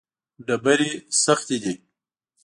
ډبرې سختې دي.